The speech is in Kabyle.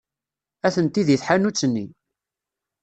Atenti deg tḥanut-nni.